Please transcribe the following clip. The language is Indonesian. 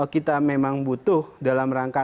kita memang butuh dalam rangka